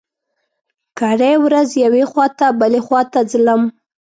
کرۍ ورځ يوې خوا ته بلې خوا ته ځلم.